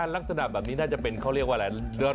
ลักษณะแบบนี้น่าจะเป็นเขาเรียกว่าอะไร